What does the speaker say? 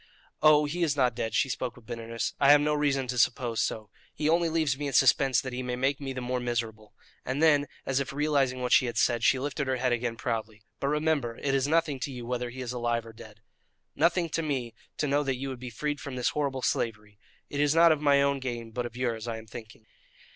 "Oh, he is not dead!" She spoke with bitterness. "I have no reason to suppose so. He only leaves me in suspense that he may make me the more miserable." And then, as if realizing what she had said, she lifted her head again proudly. "But remember it is nothing to you whether he is alive or dead." "Nothing to me to know that you would be freed from this horrible slavery! It is not of my own gain, but of yours, I am thinking."